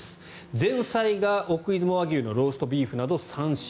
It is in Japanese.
前菜が奥出雲和牛のローストビーフなど３品。